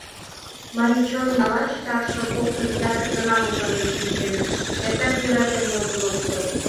Марий чоным налаш такшым коктын ятыр гана мутланен шинченыт, эртак йӧратен модын огытыл.